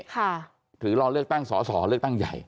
หรือรอเลือกตั้งสอสอเลือกตั้งใหญ่